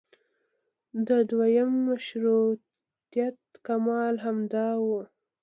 د دویم مشروطیت کمال همدا و.